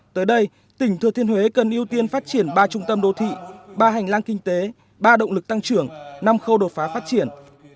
tới đây tỉnh thừa thiên huế cần ưu tiên phát triển ba trung tâm đô thị ba hành lang kinh tế ba động lực tăng trưởng năm khâu đột phá phát triển